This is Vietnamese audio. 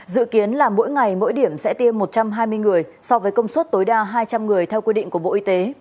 dự kiến là mỗi ngày mỗi điểm sẽ tiêm một trăm hai mươi người so với công suất tối đa hai trăm linh người theo quy định của bộ y tế